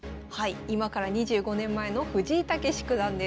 今から２５年前の藤井猛九段です。